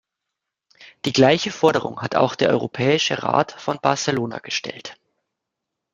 Die gleiche Forderung hat auch der Europäische Rat von Barcelona gestellt.